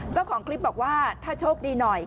เจ้าของคลิปบอกว่าถ้าโชคดีหน่อย